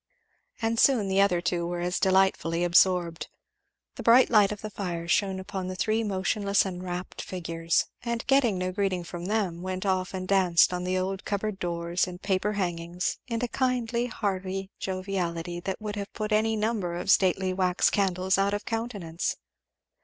And soon the other two were as delightfully absorbed. The bright light of the fire shone upon three motionless and rapt figures, and getting no greeting from them went off and danced on the old cupboard doors and paper hangings, in a kindly hearty joviality that would have put any number of stately wax candles out of countenance.